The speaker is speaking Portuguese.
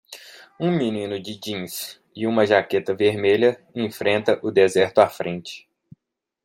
Um menino de jeans e uma jaqueta vermelha enfrenta o deserto à frente.